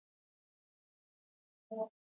افغانستان په هوا باندې تکیه لري.